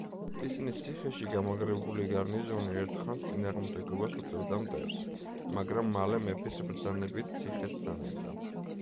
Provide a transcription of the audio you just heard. ისნის ციხეში გამაგრებული გარნიზონი ერთხანს წინააღმდეგობას უწევდა მტერს, მაგრამ მალე მეფის ბრძანებით ციხეც დანებდა.